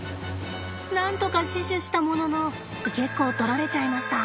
何とか死守したものの結構とられちゃいました。